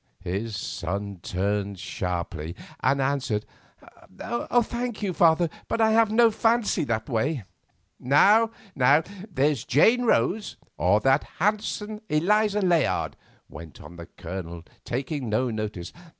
His son turned sharply, and answered: "Thank you, father, but I have no fancy that way." "Now, there's Jane Rose, or that handsome Eliza Layard," went on the Colonel, taking no notice.